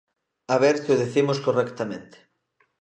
A ver se o dicimos correctamente.